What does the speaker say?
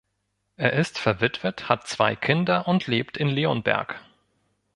Er ist verwitwet, hat zwei Kinder und lebt in Leonberg.